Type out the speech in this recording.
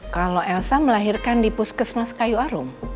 kalau elsa melahirkan di puskesmas kayu arum